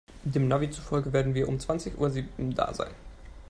Dem Navi zufolge werden wir um zwanzig Uhr sieben da sein.